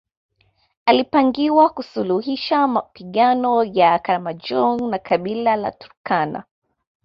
Alipangiwa kusuluhisha mapigano ya Karamojong na kabila la Turkana